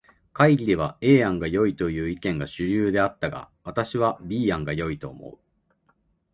会議では A 案がよいという意見が主流であったが、私は B 案が良いと思う。